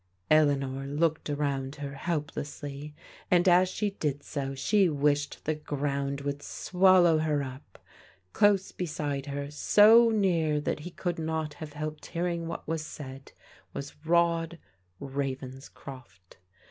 Eleanor looked around her helplessly, and as she did so, she wished the ground would swallow her up. Qose beside her, so near that he could not have helped hearing what was said, was Rod Ravenscroft.